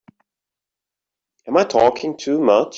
Am I talking too much?